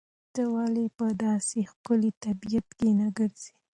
ته ولې په داسې ښکلي طبیعت کې نه ګرځې؟